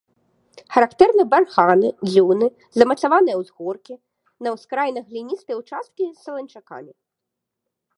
Характэрны барханы, дзюны, замацаваныя ўзгоркі, на ўскраінах гліністыя ўчасткі з саланчакамі.